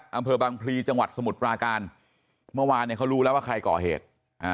อำเภอบางพลีจังหวัดสมุทรปราการเมื่อวานเนี่ยเขารู้แล้วว่าใครก่อเหตุ